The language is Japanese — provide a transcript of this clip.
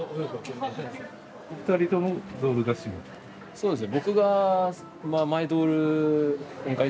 そうですね。